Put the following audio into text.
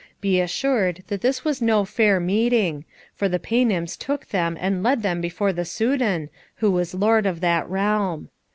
Be assured that this was no fair meeting, for the Paynims took them and led them before the Soudan, who was lord of that realm.